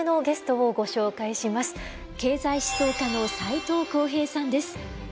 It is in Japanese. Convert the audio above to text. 経済思想家の斎藤幸平さんです。